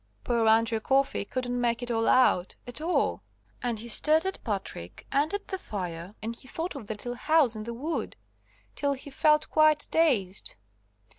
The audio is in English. Poor Andrew Coffey couldn't make it all out, at all, at all, and he stared at Patrick and at the fire, and he thought of the little house in the wood, till he felt quite dazed.